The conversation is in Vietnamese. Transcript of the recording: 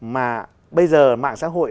mà bây giờ mạng xã hội